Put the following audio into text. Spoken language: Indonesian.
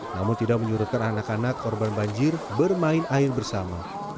namun tidak menyurutkan anak anak korban banjir bermain air bersama